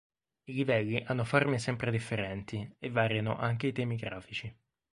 I livelli hanno forme sempre differenti e variano anche i temi grafici.